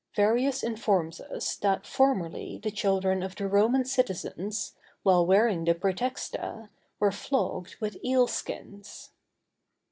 Verrius informs us that formerly the children of the Roman citizens, while wearing the prætexta, were flogged with eel skins.